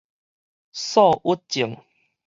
躁鬱症